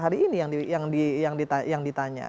hari ini yang ditanya